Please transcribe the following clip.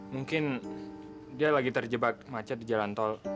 mungkin dia lagi terjebak macet di jalan tol